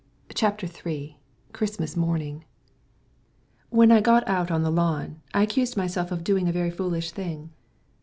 CHAPTER III CHRISTMAS MORNING When I got out on the lawn, I accused myself of doing a very foolish thing.